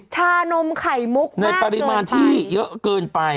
ชานมไขมุกมากเกินไปในปริมาณที่เยอะเกินไป